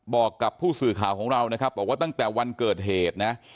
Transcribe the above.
บอกกับผู้สื่อข่าวของเรานะครับบอกว่าตั้งแต่วันเกิดเหตุนะ